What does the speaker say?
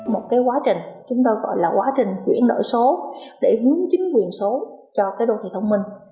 một cái quá trình chúng ta gọi là quá trình chuyển đổi số để hướng chính quyền số cho cái đô thị thông minh